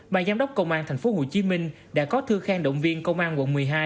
bà giám đốc công an tp hcm đã có thư khen động viên công an quận một mươi hai